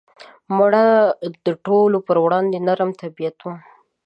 مړه د ټولو پر وړاندې نرم طبیعت وه